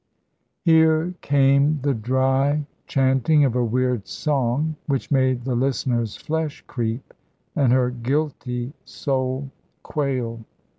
Here came the dry chanting of a weird song which made the listener's flesh creep, and her guilty soul quail.